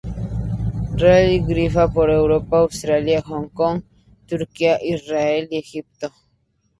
Realiza giras por Europa, Australia, Hong Kong, Turquía, Israel y Egipto.